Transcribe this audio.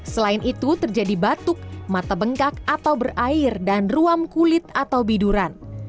selain itu terjadi batuk mata bengkak atau berair dan ruam kulit atau biduran